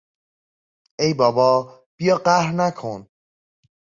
ای بابا - بیا قهر نکن!